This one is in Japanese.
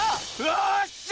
よっしゃ！